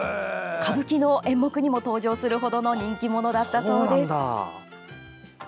歌舞伎の演目にも登場する程の人気者だったそうです。